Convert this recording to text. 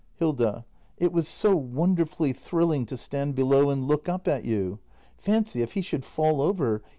Hilda. It was so wonderfully thrilling to stand below and look up at you. Fancy, if he should fall over!